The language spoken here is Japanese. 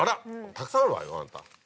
たくさんあるわよあんた。